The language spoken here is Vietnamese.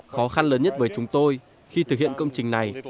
khó khăn lớn nhất với chúng tôi khi thực hiện công trình này